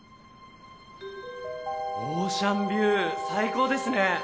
オーシャンビュー最高ですね。